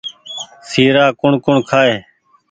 سيرآ ڪوٚڻ ڪوٚڻ کآئي